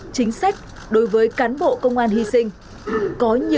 chính sách đối với cán bộ công an hy sinh